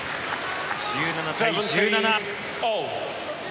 １７対１７。